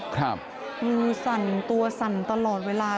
มือสั่นตัวสั่นตลอดเวลา